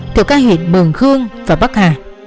từ các huyện mường khương và bắc hà